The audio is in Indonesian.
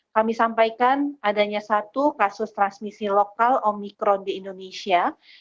kami sampaikan adanya satu kasus transmisi lokal omikron di indonesia